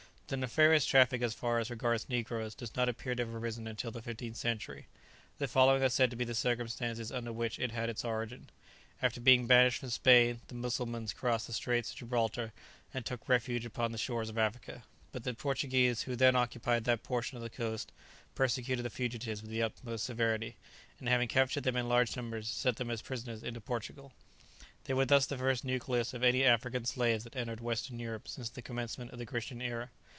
The nefarious traffic as far as regards negroes does not appear to have arisen until the fifteenth century. The following are said to be the circumstances under which it had its origin. After being banished from Spain, the Mussulmans crossed the straits of Gibraltar and took refuge upon the shores of Africa, but the Portuguese who then occupied that portion of the coast persecuted the fugitives with the utmost severity, and having captured them in large numbers, sent them as prisoners into Portugal. They were thus the first nucleus of any African slaves that entered Western Europe since the commencement of the Christian era.